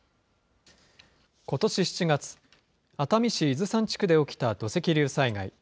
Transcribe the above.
ことし７月、熱海市伊豆山地区で起きた土石流災害。